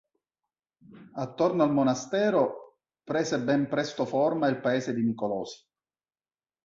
Attorno al monastero prese ben presto forma il paese di Nicolosi.